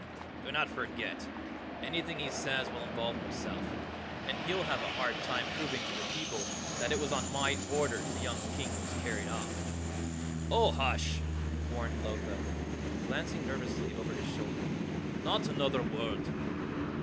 "Do not forget, anything he says will involve himself, and he'll have a hard time proving to the people that it was on my orders the young King was carried off." "Oh, hush!" warned Lotho, glancing nervously over his shoulder. "Not another word!"